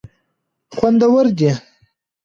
خوندور دي.